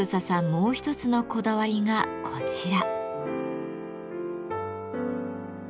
もう一つのこだわりがこちら。